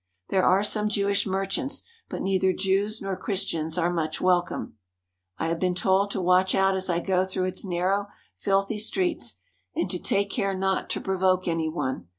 There are some Jewish merchants, but neither Jews nor Christians are much welcomed. I have been told to watch out as I go through its narrow, filthy streets and to take care not to provoke any one.